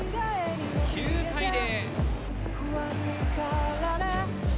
９対０。